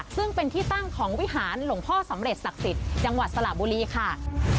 ซึ่งเป็นที่ตั้งของวิหารหลวงพ่อสำเร็จศักดิ์สิทธิ์จังหวัดสระบุรีค่ะ